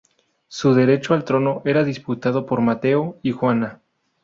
Su derecho al trono era disputado por Mateo y Juana.